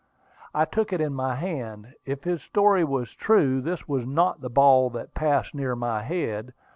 I took it in my hand. If his story was true, this was not the ball that passed near my head.